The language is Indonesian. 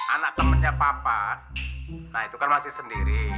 anak temennya papa nah itu kan masih sendiri